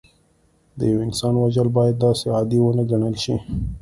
د یو انسان وژل باید داسې عادي ونه ګڼل شي